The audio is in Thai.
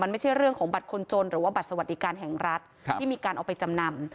ไม่ใช่เรื่องของบัตรคนจนหรือว่าบัตรสวัสดิการแห่งรัฐที่มีการเอาไปจำนำ